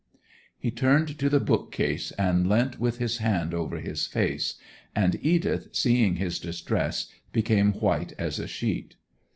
He turned to the bookcase, and leant with his hand over his face; and Edith, seeing his distress, became white as a sheet.